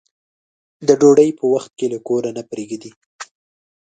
د ډوډۍ په وخت له کوره نه پرېږدي.